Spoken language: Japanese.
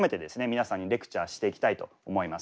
皆さんにレクチャーしていきたいと思います。